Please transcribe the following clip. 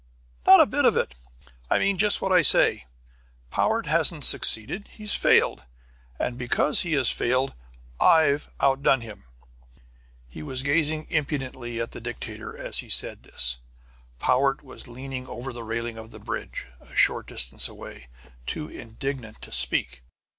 "Not a bit of it! I mean just what I say! Powart hasn't succeeded; he's failed. And because he has failed, I've outdone him." He was gazing impudently at the dictator as he said this; Powart was leaning over the railing of the bridge, a short distance away, too indignant to speak.